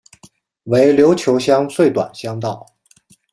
为琉球乡最短乡道。